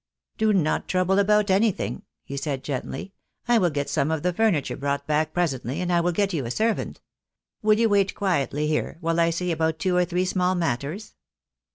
"Do not trouble about anything," he said, gently. "I will get some of the furniture brought back presently, and I will get you a servant. Will you wait quietly here, while I see about two or three small matters?"